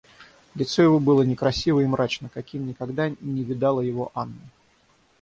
Лицо его было некрасиво и мрачно, каким никогда не видала его Анна.